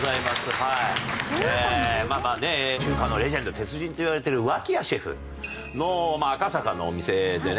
中華のレジェンド鉄人といわれている脇屋シェフの赤坂のお店でね。